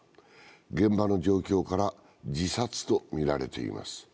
現場の状況から自殺とみられています。